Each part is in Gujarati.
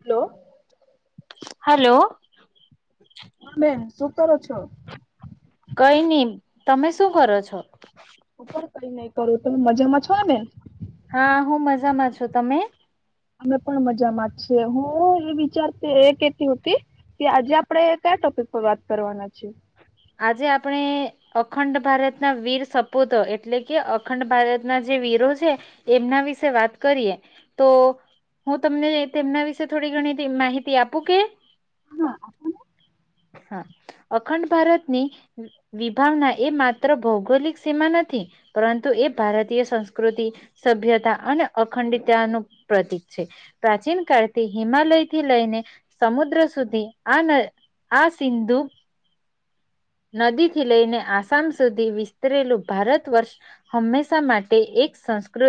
હલો હલો હ બેન શું કરો છો? કઈ નહી તમે શું કરો છો? હું પણ કઈ નઈ કરું તમે મજામાં છો ને? હા હું મજામાં છું તમે? અમે પણ મજા માંએ હું વિચારતી એ કેતી હોતી કે આજે આપડે કયા ટોપિક પર વાત કરવાના છીએ? આજે આપણે અખંડ ભારતના વીર સપૂતો એટલે કે અખંડ ભારતના જે વીરો છે એમના વિશે વાત કરીએ તો હું તમને તેમના વિશે થોડી ઘણી માહિતી આપું કે? હા હા અખંડ ભારતની વિભાવના એ માત્ર ભૌગોલિક સીમા નથી પરંતુ એ ભારતીય સંસ્કૃતિ સભ્યતા અને અખંડતા નું પ્રતીક છે. પ્રાચીન કળથી હિમાલયથી લઈને સમુદ્ર સુધી આ ન આ સિંધુ નદીથી લઈને આસામ સુધી વિસ્તરેલું ભારત વર્ષ હંમેશા માટે એક સંસ્કૃ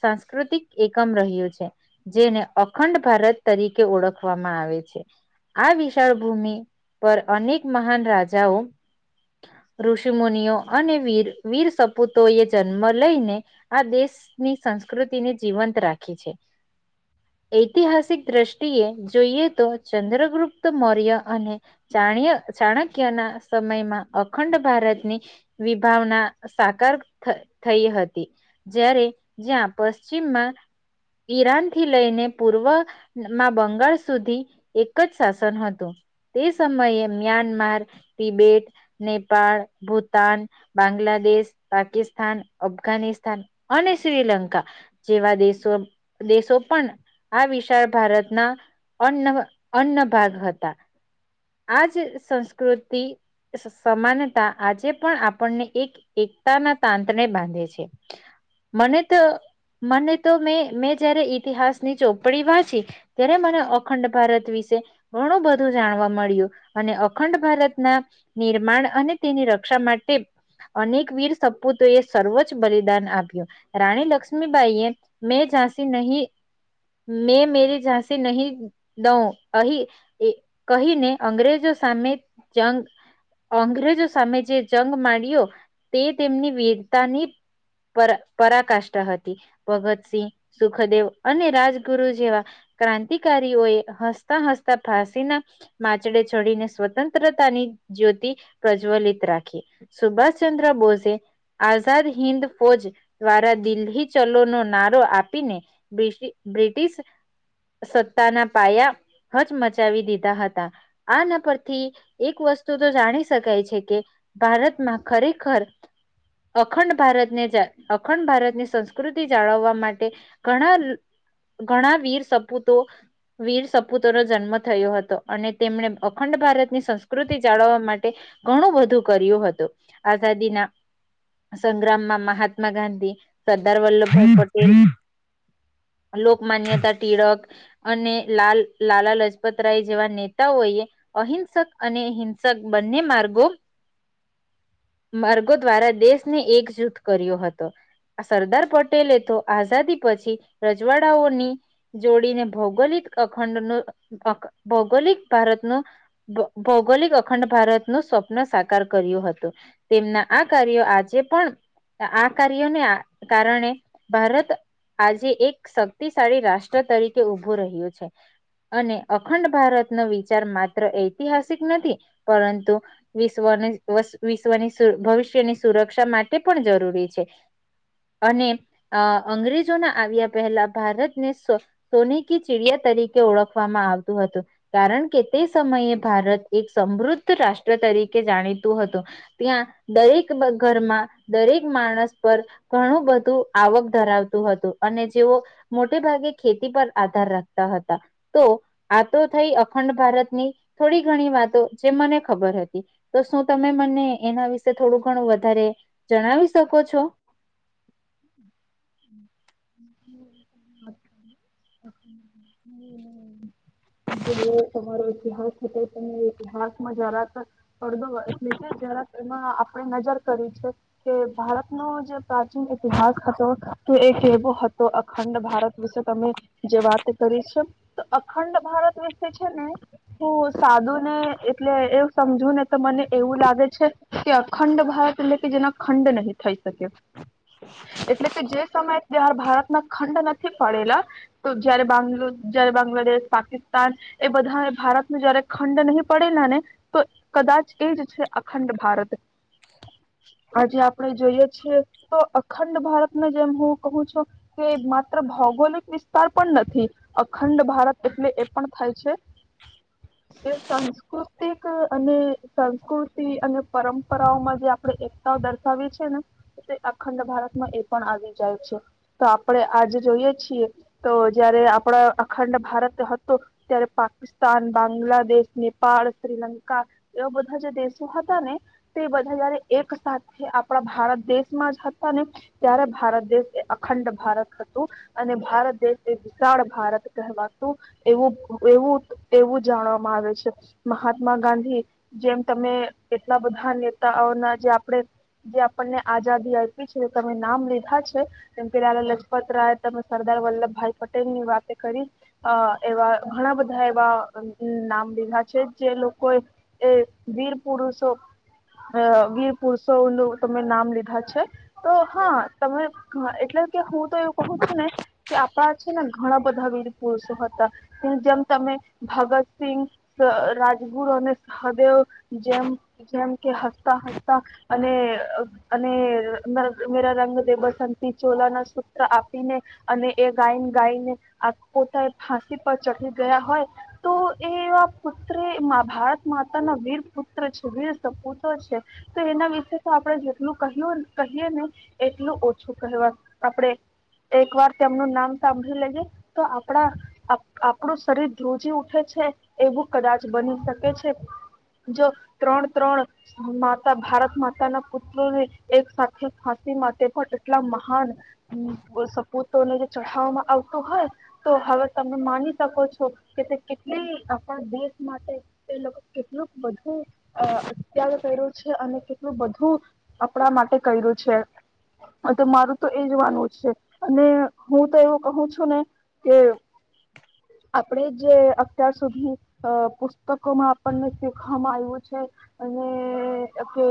સાંસ્કૃતિક એકમ રહ્યું છે. જેને અખંડ ભારત તરીકે ઓળખવામાં આવે છે. આ વિશાળ ભૂમિ પર અનેક મહાન રાજાઓ ઋષિ મુુનિઓ અને વીર વીર સપૂતો એ જન્મ લઈને આ દેશ ની સંસ્કૃતિ ને જીવંત રાખી છે. ઐતિહાસિક દ્રષ્ટિએ જોઈએ તો ચંદ્રગુપ્ત મૌર્ય અને ચાણ્ય ચાણક્ય ના સમયમાં અખંડ ભારતની વિભાવના સાકાર થ થઈ હતી. જ્યારે જ્યાં પશ્ચિમમાં ઈરાન થી લઈને પૂર્વ માં બંગાળ સુધી એક જ શાસન હતું તે સમયે મ્યાનમાર તબેટ, નેપાળ, ભૂતાન, બાંગ્લાદેશ, પાકિસ્તાન, અફઘાનિસ્તાન, અને શ્રીલંકા જેવા દેશો દેશો પણ આ વિશાળ ભારતના અન્ન અન્ન ભાગ હતા આજ સંસ્કૃતિ સમાનતા આજે પણ આપણને એક એકતાના તાંત્રને બાંધે છે. મને તો મને તો મે મેં જયારે ઈતિહાસની ચોપડી વાંચી ત્યારે મને અખંડ ભારત વિશે ઘણું બધું જાણવા મળ્યું અને અ અખંડ ભારતના નિર્માણ અને તેની રક્ષા માટે અનેક વીર સપૂતોએ સર્વોચ્ બલિદાન આપ્યું રાણી લક્ષ્મીબાઈએ મેં ઝાંસી નહી મેં મેરી ઝાંસી નહી દઉ અહી કહીને અંગ્રેજો સામે જંગ અંગ્રેજો સામે જે જંગ માંડ્યો તે તેમની વીરતાની પરા પરાકાષ્ઠા હતી ભગતસિંહ, સુખદેવ અને રાજગુરુ જેવા ક્રાંતિકારીઓ એ હસતા હસતા ફાંસીના માચડે ચડીને સ્વતંત્રતાની જ્યોતિ પ્રજ્વલિત રાખી સુભાષ ચંદ્ર બોઝએ આઝાદ હિન્દ ફોજ દ્વારા દિલ્હી ચલો નો નારો આપીને બ્રિટ બ્રિટિશ સત્તાના પાયા હચ મચાવી દીધા હતા આના પર થી એક વસ્તુ તો જાણી શકાય છે કે ભારતમાં ખરેખર અખંડ ભારતને અખંડ ભારત ની સંસ્કૃતિ જાળવવા માટે ઘણા ઘણા વીર સપૂતો વીર સપુતો નો જન્મ થયો હતો અને તેમને અખંડ ભારતની સંસ્કૃતિ જાળવવા માટે ઘણું બધું કર્યું હતું આઝાદીના સંગ્રામમાં મહાત્મા ગાંધી સરદાર વલ્લભભાઈ પટેલ લોકમાન્યતા તિલક અને લાલ લાલા લજપતરાય જેવા નેતાઓએ અહિંસક અને હિંસક બંને માર્ગો માર્ગો દ્વારા દેશને એકજૂથ કર્યો હતો. સરદાર પટેલે તો આઝાદી પછી રજવાડાઓની જોડીને ભૌગોલિક અખંડ ન ભૌગોલિક ભારતનું ભૌગોલિક અખંડ ભારતનું સ્વપ્ન સાકાર કર્યું હતું. તેમના આ કાર્યો આજે પણ આ કાર્યોને કારણે ભારત આજે એક શક્તિશાળી રાષ્ટ્ર તરીકે ઉઊભો રહ્યો છે. અને અખંડ ભારત નો વિચાર માત્ર ઐતિહાસિક નથી પરંતુ વિશ્વની વિશ્વની ભવિષ્યની સુરક્ષા માટે પણ જરૂરી છે. અને અ અંગ્રેજોના આવ્યા પહેલા ભારતને સોની કી ચિડિયા તરીકે ઓળખવામાં આવતું હતું. કારણ કે તે સમયે ભારત એક સમૃદ્ધ રાષ્ટ્ર તરીકે જાણીતું હતું. ત્યાં દરેક ઘરમાં દરેક માણસ પર ઘણું બધું આવક ધરાવતું હતું અને જેઓ મોટેભાગે ખેતી પર આધાર રાખતા હતા. તો આ તો થઈ અખંડ ભારતની થોડી ઘણી વાતો જે મને ખબર હતી. તો શું તમે મને એના વિશે થોડું ઘણું વધારે જણાવી શકો છો? [inaudible] જેવ તમારો ઈતિહાસ હતો તમે ઇતિહાસમાં જરાક પડદો એટલે કે જરા તેમાં આપણે નજર કરી છે. એ ભારતનો જે પ્રાચીન ઇતિહાસ હતો કે એ કેવો હતો અખંડ ભારત વિશે તમે જે વાત કરી છે તો અખંડ ભારત વિશે છે ને હું સાધુને એટલે એમ સમજો ને તો મને એવું લાગે છે. કે અખંડ ભારત એટલે કે જેના ખંડ નહીં થઈ શકે. એટલે કે જે સમયે તાર ભારતના ખંડ નથી પડેલા. તો જ્યારે બાંગ્ જ્યારે બાંગ્લાદેશ પાકિસ્તાન એ બધા ભારત ન જયારે ખંડ નહીં પડેલા ને તો કદાચ એ જ છે અખંડ ભારત આજે આપણે જોઈએ છીએ તો અખંડ ભારતને જેમ હું કહું છું. તે માત્ર ભૌગોલિક વિસ્તાર પણ નથી. અખંડ ભારત એટલે એ પણ થાય છે. એ સાંસ્કૃતિક અને સંસ્કૃતિ અને પરંપરાઓમાં જે આપડે દર્શાવે છે ને તે અખંડ ભારતમાં એ પણ આવી જાય છે. તો આપડે આજે જોઈએ છે. તો જયારે આપડા અખંડ ભારત હતો ત્યારે પા પાકિસ્તાન બાંગ્લાદેશ નેપાળ શ્રીલંકા એવા બધા જે દેશો હતા ને તે બધા જયારે એક સાથે આપણા ભારત દેશમાં જ હતા. અને ત્યારે ભારત દેશ એ અખંડ ભારત હતું. અને ભારત દેશ એ વિશાળ ભારત કહેવાતું. એવું એવું એવું જાણવામાં આવે છે મહાત્મા ગાંધી જેમ તમે એટલા બધા નેતાઓના જે આપણેે જે આપણને આઝાદી છે તમે નામ લીધા છે. એમ કે લાલા લજપત રાય તમે સરદાર વલ્લભભાઈ પટેલ ની વાતે કરી. અ એવા ઘણા બધા એવા નામ લીધા છે જે લોકોએ એ વીર પુરુષો અ વીર પુરુષો નું તમે નામ લીધા છે. તો હા તમે એટલે કે હું તો એવું કહું છું ને કે. છે ને ઘણા બધા વીર પુરુષો હતા. જેમ તમે ભગતસિંહ અ રાજગુરુ અને સહદેવ. જેમ જેમ કે હસતા હસતા અને અને મેરા મેરા રંગ દે બસંતથી ચોલા ના સૂત્ર આપીને અને એ ગાઈને ગાઈને આ પોતા એ ફાંસી પર ચઢી ગયા હોય. તો એ એવા પુત્ર એ મા ભારત માતા ની વીર પુત્ર છે વીર સપુતો છે. તો એના વિશે તો આપડણે જેટલું કહ્યું કહીએ ને એટલું ઓછું કહેવા આપડે. એક વાર તેમનું નામ સાંભળી લેજે તો આપડા આપ આપ. આપણું શરીર ધ્રુવજી ઉઠે છે એવું કદાચ બની શકે છે. જો ત્રણ ત્રણ માતા ભારત માતાના પુત્રોને એક સાથે ફાંસી માટે પણ એટલા મહાન હ સપૂતો ને જે ચઢાવવામાં આવતું હોય. તો હવે તમે માની શકો છો કે તે કેટલી આપણા દેશ માટે એ લોકો કેટલુંક બધું અ ત્યાગ કર્યું છે અને કેટલું બધું આપણા માટે કર્યું છે. અ તો મારું તો એ માનવુ છે અને હું તો એવું કહું છું ને. કે આપણેે જે અત્યાર સુધી અ પુસ્તકો માં આપણને શીખવામાં આવ્યું છે અને કે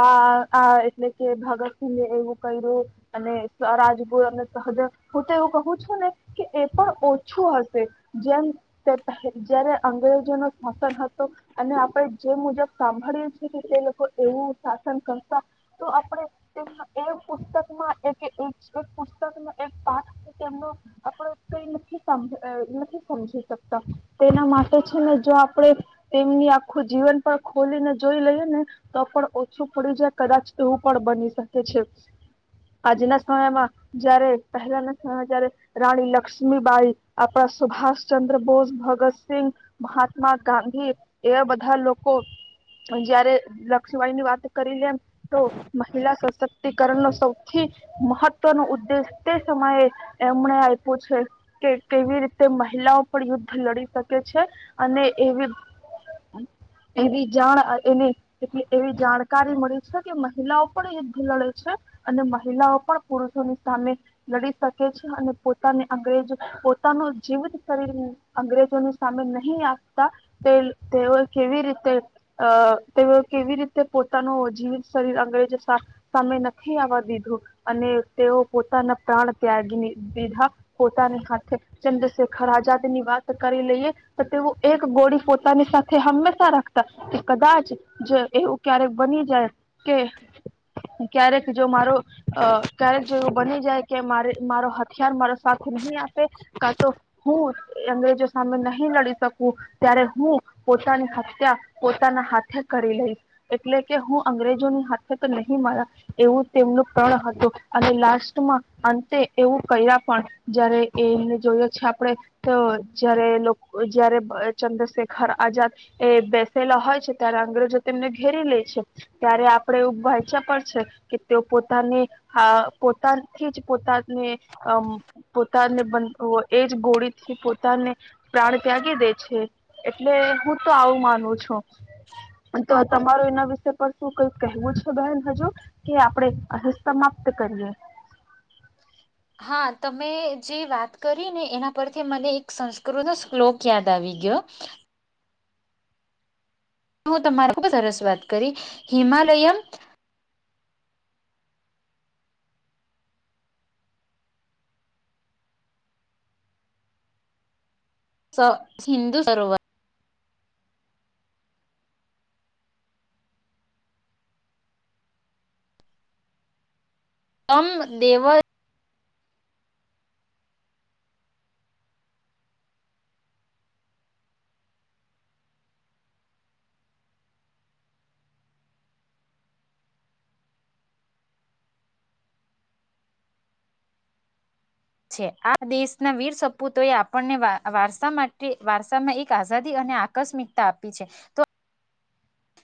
આ આ એટલે કે ભગતસિંહ એવું કર્યું. અને સા રાજગુર અને સહદેવ હું તો એવું કહું છું ને. કે એ પણ ઓછું હશે જેમ તે પહે જયારે અંગ્રેજો નો શાસન હતો. અને આપણે જે મુજબ સાંભળયએ છીએ કે તે લોકો એવું શાસન તો આપણે તેમના એ પુસ્તકમાં એક પુસ્તક ન એક પાઠ તેમનો આપડો કઈ. નથી સમ અ નથી સમજી શકતા તેના માટે છે ને જો આપણે તેમની આખું જીવન પણ ખોલીને જોઈ લઈએ ને તો પણ ઓછું પડી જાય. કદાચ તોવું પણ બની શકે છે આજના સમયમાં જયારે પહેલાના સમયમાં જાયરે રાણી લક્ષ્મીબાઈ આપણા સુભાષ ચંદ્ર બોસ ભગતસિંહ મહાત્મા ગાંધી એવા બધા લોકો જયારે લક્ષમી બાઈ ની વાત કરી લે તો મહિલા સશક્તિક કરણ નો સૌથી મહત્વનો ઉદ્દેશ તે સમયે એમણે આપ્યો છે. કે કેવી રીતે મહિલાઓ પણ યુદ્ધ લડી શકે છે અને એવી એવી જાણ અ એને એટલી એવી જાણકારી મળી છે કે મહિલાઓ પણ યુદ્ધ લડે છે અને મહિલાઓ પણ પુરુષોની સામે લડી શકે છે અને પોતાને અંગ્રેજ પોતાનું જીવિત શરીર અંગ્રેજો ને સામે નહી આપતા તે તેઓ કેવી રીતે અ તેઓ કેવી રીતે પોતાનું જીવિત શરીર અંગ્રેજો સાથ સામે નથી આવવા દીધું અને તેઓ પોતાના પ્રાણ ત્યાગી લી દીધા પોતાની સાથેથે ચંદ્રશેખર આઝાદ ની વાત કરી લઈએ તો તેઓ એક ગોળી પોતાની સાથે હંમેશા રાખતા કે કદાચ જ એવું ક્યારેક બની જાય કે ક્યારેક જો મારો અ ક્યારેક જેવું બની જાય કે મારે મારો હથિયાર મારો સાથે નહીં આપે કા તો હું અંગ્રેજો સામે નહી લડી શકું ત્યારે હું પોતાની હત્યા પોતાના હાથે કરી લઈશ એટલે કે હું અંગ્રેજોની હાથે તો નહીં મારા એવું તેમનું પ્રણ હતું અને લાસ્ટમાં અંતે એવું કર્યા પણ જયારે એમને જોઈએ છે આપણે તો જયારે એ લોક જયારે ચંદ્રશેખર આઝાદ એ બેસેલા હોય છે ત્યારે અંગ્રેજો તેમને ઘેરી લે છે. ત્યારે આપણે એવું વાચ્યા પણ છે કે તેઓ પોતાની હા પોતાથી જ પોતાને અ પોતાને બ એજ ગોળીથી પોતાને પ્રાણ ત્યાગી દે છે એટલે હું તો આવું માનું છું. પણ તો તમારો એના વિશે શું કઈક કહેવું છે બહેન હજુ કે આપણે અહીં સમાપ્ત કરીએ? હા તમે જે વાત કરી ને એના પરથી મને એક સંસ્કૃત શ્લોક કયાદ આવી ગયો. હું તમારે ખબ સરસ વાત કરી હિમાલયમમ્ સ સિંધુ સરોવર તમ દેવ છે આ દેશના વીર સપૂતો એ આપણને વા વારસા માટે વારસામાં એક આઝાદી અને આ કસ્મિકતા આપી છે તો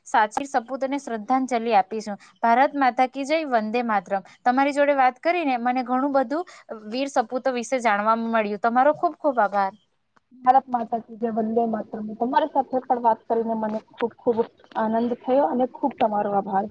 સાચી સપૂતને શ્રદ્ધાંજલિ આપીશું. ભારત માતા કી જય વંદે માતરમ્ તમારી જોડે વાત કરીને મને ઘણું બધું વીર સપૂતો વિશે જાણવા મળ્યું તમારો ખુબ ખુબ આભાર. ભારત માતા જય વંદે માતરમ્ તમારી સાથે પણ વાત કરીને મને ખૂબ ખૂબ આનંદ થયો અને ખૂબ તમારો આભાર.